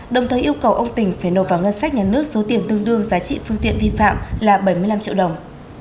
đồng thời yêu cầu ông tỉnh phải nộp vào ngân sách nhà nước số tiền tương đương giá trị phương tiện vi phạm là bảy mươi năm triệu đồng